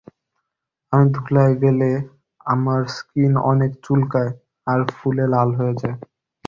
আমি ধুলায় গেলে আমার স্কিন অনেক চুলকায় আর ফুলে লাল হয়ে যায়।